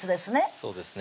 そうですね